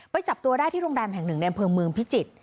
จับตัวได้ที่โรงแรมแห่งหนึ่งในอำเภอเมืองพิจิตร